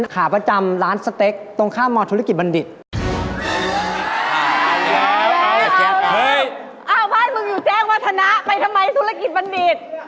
บ้านมึงอยู่แจ๊กวัฒนะไปทำไมธุรกิจบำดิด